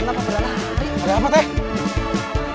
kenapa pada lari